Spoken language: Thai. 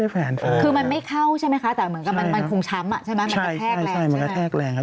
ใช่ครับคือมันไม่เข้าใช่ไหมคะแต่เหมือนกับมันคงช้ำใช่ไหมมันกระแทกแรง